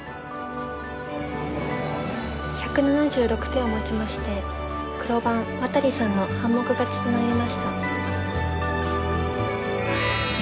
１７６手をもちまして黒番渡利さんの半目勝ちとなりました。